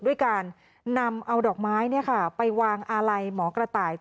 ด้วยการนำเอาดอกไม้ไปวางอาลัยหมอกระต่าย